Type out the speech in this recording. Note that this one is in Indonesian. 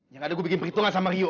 yang ada gue bikin perhitungan sama rio